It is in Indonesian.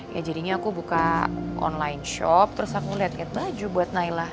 ya jadinya aku buka online shop terus aku liat kayak baju buat naila